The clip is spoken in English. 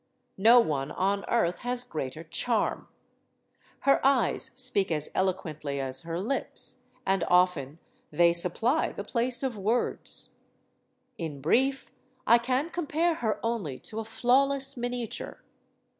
No one on earth has greater charm. Her eyes speak as eloquently as her lips, and often they supply the place of words. In brief, I can compare her only to a flawless miniature.